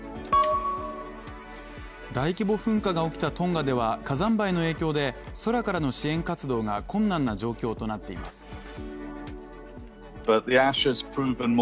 大規模噴火が起きたトンガでは火山灰の影響で空からの支援活動が困難な状況となっています。